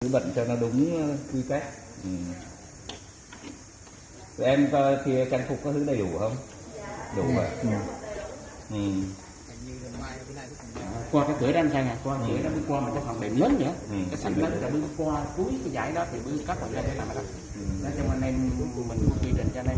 các bạn hãy đăng ký kênh để ủng hộ kênh của mình nhé